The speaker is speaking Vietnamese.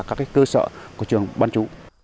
các cơ sở của trường bán chú